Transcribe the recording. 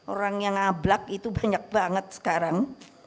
orang yang ngablak itu banyak banget sekarang